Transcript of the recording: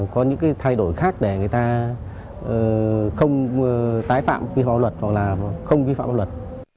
có những thay đổi khác để người ta không tái phạm vi phạm luật hoặc là không vi phạm luật